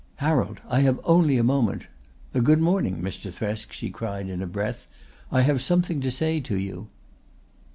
"Harold, I have only a moment. Good morning, Mr. Thresk," she cried in a breath. "I have something to say to you."